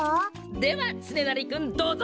ではつねなりくんどうぞ！